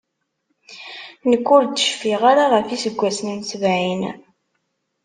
Nekk ur d-cfiɣ ara ɣef yiseggasen n sebɛin.